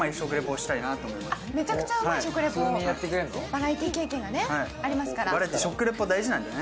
バラエティー経験がありますから。